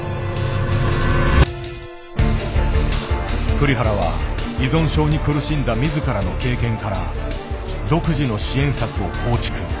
栗原は依存症に苦しんだ自らの経験から独自の支援策を構築。